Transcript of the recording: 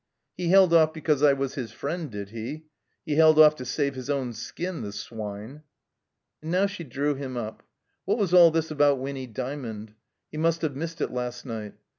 "He held off because I was his friend, did he? He hdd off to save his own skin, the swine!" And now she drew him up. What was all this about Winny Djmaond? He must have missed it last night.